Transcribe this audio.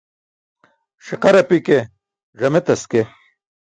Ṣiqar api ke ẓame taske.